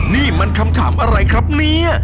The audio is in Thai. นี่มันคำถามอะไรครับเนี่ย